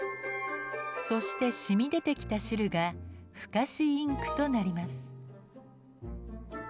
そしてしみ出てきた汁が不可視インクとなります。